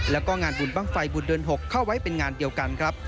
แล้วก็งานบุญบ้างไฟบุญเดือน๖เข้าไว้เป็นงานเดียวกันครับ